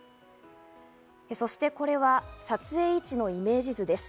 そしてこれは撮影位置のイメージ図です。